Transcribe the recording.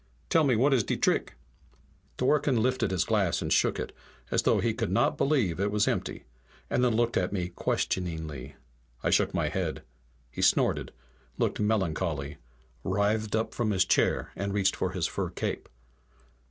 Tell me what is de trick?'" Dworken lifted his glass and shook it, as though he could not believe it was empty, then looked at me questioningly. I shook my head. He snorted, looked melancholy, writhed up from his chair and reached for his fur cape.